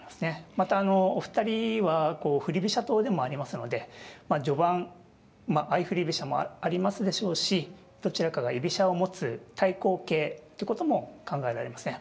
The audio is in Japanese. またあのお二人は振り飛車党でもありますので序盤相振り飛車もありますでしょうしどちらかが居飛車を持つ対抗型ってことも考えられますね。